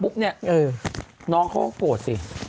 ปุ๊บนี่น้องเขาก็โกรธสิ